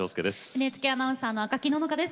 ＮＨＫアナウンサーの赤木野々花です。